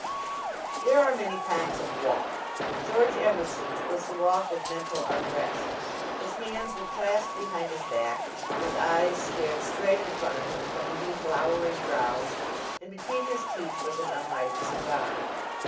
There are many kinds of walk. George Emerson's was the walk of mental unrest. His hands were clasped behind his back, his eyes stared straight in front of him from beneath lowering brows, and between his teeth was an unlighted cigar.